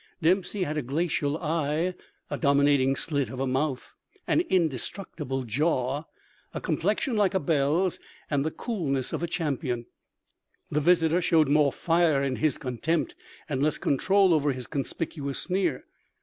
Dempsey had a glacial eye, a dominating slit of a mouth, an indestructible jaw, a complexion like a belle's and the coolness of a champion. The visitor showed more fire in his contempt and less control over his conspicuous sneer.